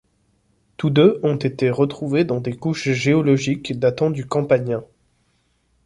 Tous deux ont été retrouvés dans des couches géologiques datant du Campanien.